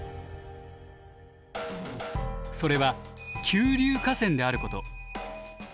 それは「急流河川」であること。